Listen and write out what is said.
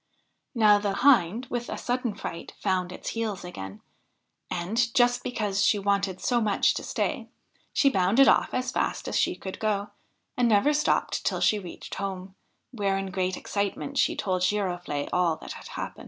Now the Hind with a sudden fright found its heels again, and, just because she wanted so much to stay, she bounded off as fast as she could go, and never stopped till she reached home, where in great excitement she told Girofle'e all that had happened.